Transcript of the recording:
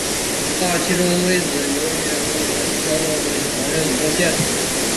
大气中微子是由原生宇宙线与地球大气交互作用产生的衍生宇宙线。